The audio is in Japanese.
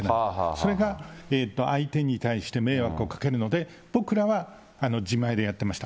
それが相手に対して迷惑をかけるので、僕らは、自前でやってました。